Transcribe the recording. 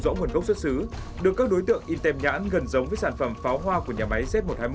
rõ nguồn gốc xuất xứ được các đối tượng in tèm nhãn gần giống với sản phẩm pháo hoa của nhà máy z một trăm hai mươi một